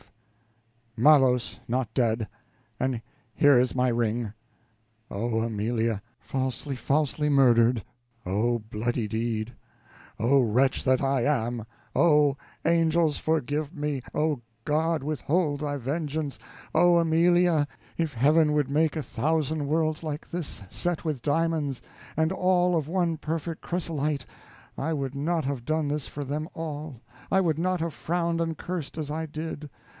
F. Malos not dead, and here is my ring! Oh, Amelia! falsely murdered! Oh, bloody deed! Oh, wretch that I am! Oh, angels forgive me! Oh, God, withhold thy vengeance! Oh, Amelia! if Heaven would make a thousand worlds like this, set with diamonds, and all of one perfect chrysolite, I would not have done this for them all, I would not have frowned and cursed as I did.